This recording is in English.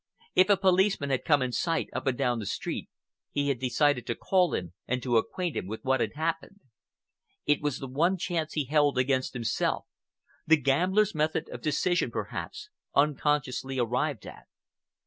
If a policeman had come in sight up or down the street, he had decided to call him and to acquaint him with what had happened. It was the one chance he held against himself,—the gambler's method of decision, perhaps, unconsciously arrived at.